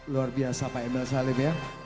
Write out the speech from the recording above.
luar biasa pak emel salim